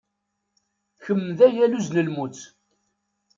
Kemm d agaluz n lmut.